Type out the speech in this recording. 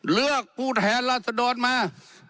เลือกผู้แทนราศโดรณ์มา